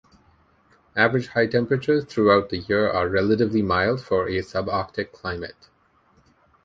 Average high temperatures throughout the year are relatively mild for a subarctic climate.